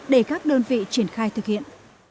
để các đơn vị triển khai thực hiện